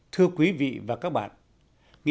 thưa quý vị và các bạn